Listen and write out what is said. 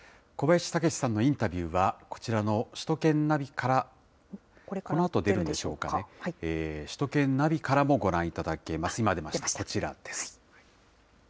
小林武史さんのインタビューは、こちらの首都圏ナビから、このあと出るんでしょうか、首都圏ナビからもご覧いただけます。